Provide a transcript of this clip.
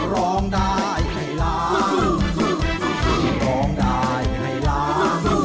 ร้องได้ให้ร้อง